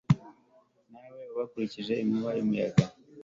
nawe ubakurikize inkubi y'umuyaga